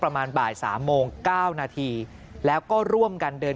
ประมาณบ่ายสามโมงเก้านาทีแล้วก็ร่วมกันเดิน